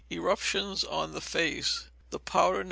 Eruptions on the Face. The powder, No.